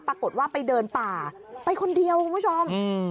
ปรากฏว่าไปเดินป่าไปคนเดียวคุณผู้ชม